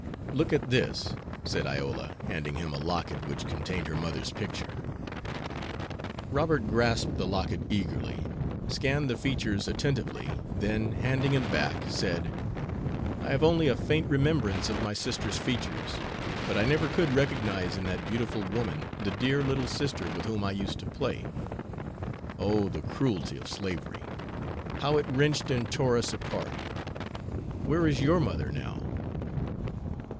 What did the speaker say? "Look at this," said Iola, handing him a locket which contained her mother's picture. Robert grasped the locket eagerly, scanned the features attentively, then, handing it back, said: "I have only a faint remembrance of my sister's features; but I never could recognize in that beautiful woman the dear little sister with whom I used to play. Oh, the cruelty of slavery! How it wrenched and tore us apart! Where is your mother now?"